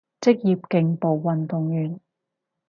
職業競步運動員